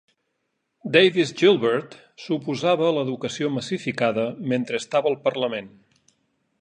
Davies Gilbert s'oposava a l'educació massificada mentre estava al parlament.